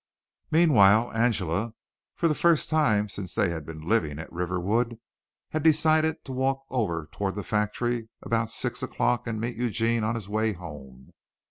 Meanwhile, Angela, for the first time since they had been living at Riverwood, had decided to walk over toward the factory about six o'clock and meet Eugene on his way home.